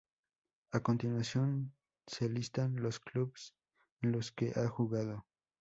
A continuación se listan los clubes en los que ha jugado.